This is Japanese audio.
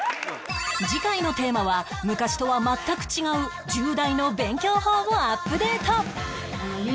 次回のテーマは昔とは全く違う１０代の勉強法をアップデート